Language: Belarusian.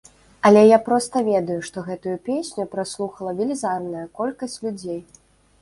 Але я проста ведаю, што гэтую песню праслухала велізарная колькасць людзей.